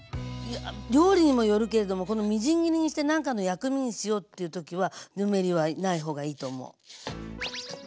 料理にもよるけれどもこのみじん切りにしてなんかの薬味にしようっていう時はぬめりはない方がいいと思う。